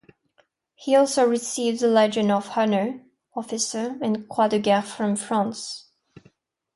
He also received the Legion of Honor (Officer) and Croix de Guerre from France.